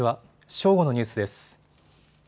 正午のニュースです。